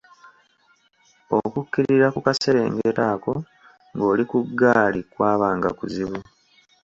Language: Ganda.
Okukkirira ku kaserengeto ako ng’oli ku ggaali kwabanga kuzibu.